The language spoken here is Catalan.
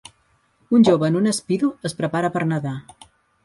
Un jove en un Speedo es prepara per nedar